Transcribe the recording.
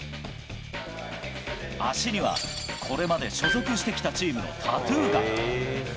脚には、これまで所属してきたチームのタトゥーが。